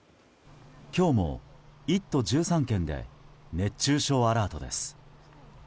今日も１都１３県で熱中症アラートです。